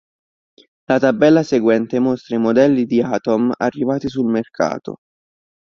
La tabella seguente mostra i modelli di Atom arrivati sul mercato.